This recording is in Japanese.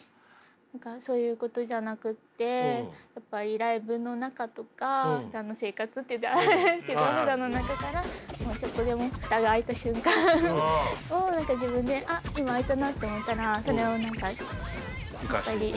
何かそういうことじゃなくてやっぱりライブの中とかふだんの生活っていったらあれですけどふだんの中からもうちょっとでも蓋が開いた瞬間を何か自分であっ今開いたなって思ったらそれを何か生かしていきたいです。